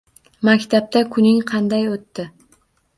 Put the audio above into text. Maktabda kuning qanday o‘tdi?